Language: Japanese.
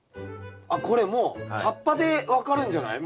あっこれもう葉っぱで分かるんじゃない？